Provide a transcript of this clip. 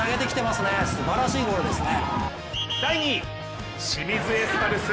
すばらしいゴールですね。